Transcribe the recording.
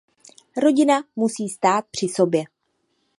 Rodina musí stát při sobě.